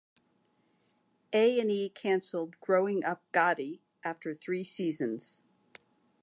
A and E canceled "Growing Up Gotti" after three seasons.